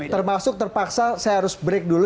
termasuk terpaksa saya harus break dulu